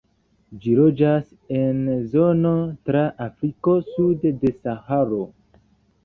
Ĝi loĝas en zono tra Afriko sude de Saharo.